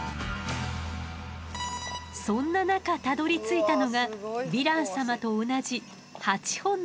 そんな中たどりついたのがヴィラン様と同じ８本の脚。